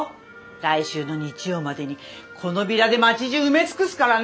来週の日曜までにこのビラで町じゅう埋め尽くすからね！